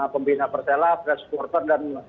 pembina persela supporter dan